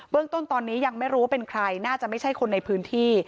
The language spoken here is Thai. เรื่องต้นตอนนี้ยังไม่รู้ว่าเป็นใครน่าจะไม่ใช่คนในพื้นที่